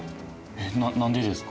えっ何でですか？